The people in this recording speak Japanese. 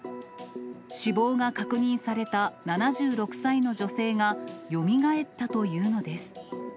死亡が確認された７６歳の女性がよみがえったというのです。